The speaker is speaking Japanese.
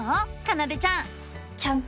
かなでちゃん。